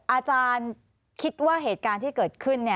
อาจารย์คิดว่าเหตุการณ์ที่เกิดขึ้น